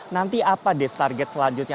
nanti apa deft target selanjutnya